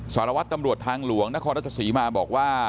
สารวัตรตำรวจทางหลวงนครราชศรีมาบอกว่า